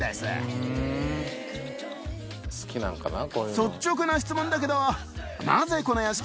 率直な質問だけど。